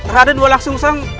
raden walang sungsang